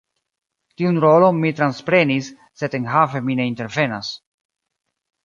Tiun rolon mi transprenis, sed enhave mi ne intervenas.